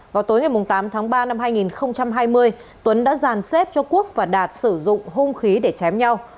vào tối ngày tám tháng ba năm hai nghìn hai mươi tuấn đã giàn xếp cho quốc và đạt sử dụng hung khí để chém nhau